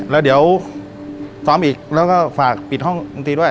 แล้วเดี๋ยวซ้อมอีกแล้วก็ฝากปิดห้องดนตรีด้วย